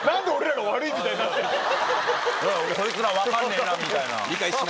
「こいつら分かんねえな」みたいな。